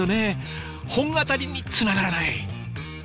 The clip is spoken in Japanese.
本アタリにつながらない。